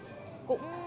cũng không quá là